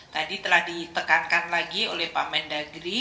tadi telah ditekankan lagi oleh pak mendagri